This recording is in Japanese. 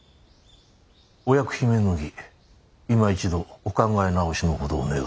お役罷免の儀いま一度お考え直しのほどを願いまする。